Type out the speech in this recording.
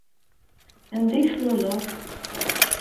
Anda i tluleḍ?